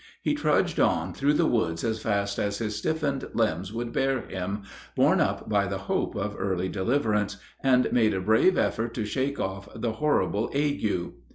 He trudged on through the woods as fast as his stiffened limbs would bear him, borne up by the hope of early deliverance, and made a brave effort to shake off the horrible ague.